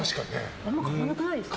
あんまり買わなくないですか。